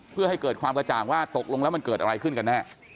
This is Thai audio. เพื่อให้เกิดความกระจ่างว่าตกลงแล้วมันเกิดอะไรขึ้นกันแน่